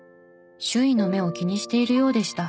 周囲の目を気にしているようでした。